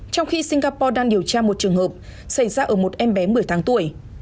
trong khi singapore đang điều tra một trường hợp xảy ra ở một em bé một mươi tháng tuổi